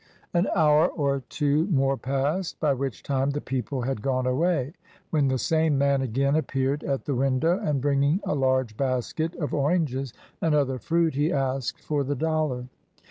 An hour or two more passed, by which time the people had gone away, when the same man again appeared at the window, and bringing a large basket of oranges and other fruit, he asked for the dollar.